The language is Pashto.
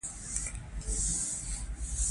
خور د خبرو د خوږوالي مثال ده.